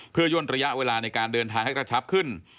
เพื่อย่นระยะเวลาในการเดินทางให้กระชับขึ้น